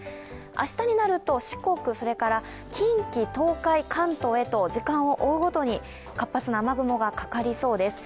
明日になると四国、近畿、東海、関東へと時間を追うごとに活発な雨雲がかかりそうです。